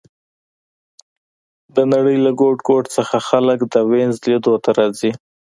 د نړۍ له ګوټ ګوټ څخه خلک د وینز لیدو ته راځي